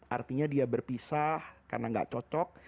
artinya dia berpisah karena gak cocok